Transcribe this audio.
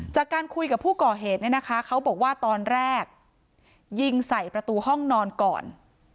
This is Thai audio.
จากการคุยกับผู้ก่อเหตุเนี่ยนะคะเขาบอกว่าตอนแรกยิงใส่ประตูห้องนอนก่อน